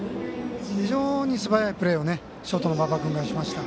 非常に素早いプレーをショートの馬場君がしました。